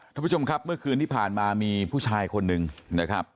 ท่านผู้ชมครับเมื่อคืนที่ผ่านมามีผู้ชายคนหนึ่งนะครับ